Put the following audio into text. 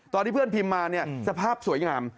ตอนที่เพื่อนพิมมาสภาพสวยงาม